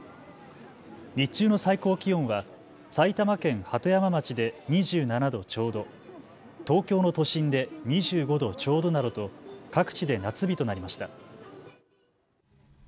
日中の最高気温は埼玉県鳩山町で２７度ちょうど、東京の都心で２５度ちょうどなどと各地で夏日となりました。